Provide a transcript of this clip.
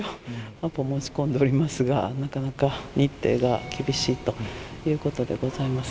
アポ申し込んでおりますが、なかなか、日程が厳しいということでございます。